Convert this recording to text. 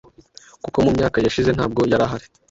kuko mu myaka yashize ntabwo yarahari